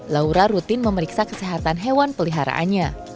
laura rutin memeriksa kesehatan hewan peliharaannya